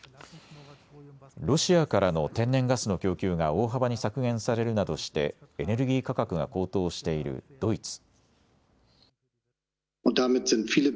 ロシアからの天然ガスの供給が大幅に削減されるなどしてエネルギー価格が高騰しているドイツ。